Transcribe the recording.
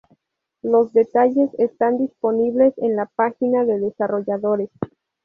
Los detalles están disponibles en la página de desarrolladores.